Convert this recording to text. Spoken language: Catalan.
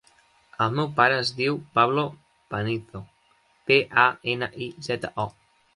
El meu pare es diu Pablo Panizo: pe, a, ena, i, zeta, o.